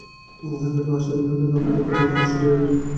মহেন্দ্র ও আশা বিনোদিনীর আপত্তিতে ভারি মুষড়িয়া গেল।